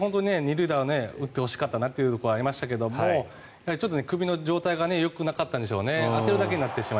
最終打席、二塁打を打ってほしかったなというのはありましたが首の状態がよくなかったんでしょうね。